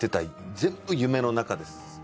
全部夢の中です。